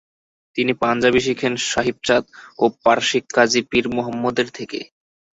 তিনি পাঞ্জাবি শিখেন সাহিব চাঁদ, ও পারসিক কাজী পীর মুহাম্মদের থেকে।